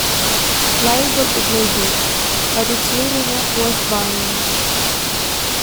Playable it may be, but it's not really worth buying.